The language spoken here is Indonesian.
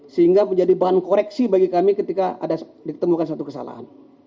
sehingga menjadi bahan koreksi bagi kami ketika ada ditemukan satu kesalahan